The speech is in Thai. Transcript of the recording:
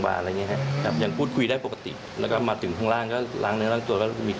มะเร็งที่ไหนครับ